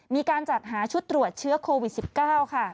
มีการจัดหาชุดตรวจเชื้อโควิด๑๙ค่ะ